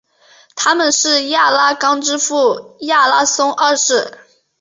他们是亚拉冈之父亚拉松二世。